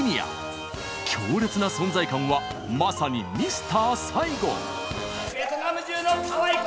強烈な存在感はまさに「ミスター・サイゴン」！